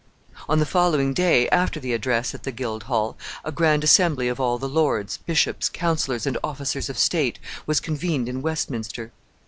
On the following day after the address at the Guildhall, a grand assembly of all the lords, bishops, councilors, and officers of state was convened in Westminster.